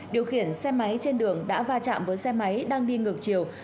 điều khiển xe máy trên đường đã va chạm với xe máy đang đi ngược chiều